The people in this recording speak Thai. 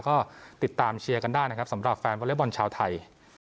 ก็ติดตามเชียร์กันได้นะครับสำหรับแฟนวอเล็กบอลชาวไทย